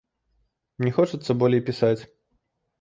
Не хочацца болей пісаць.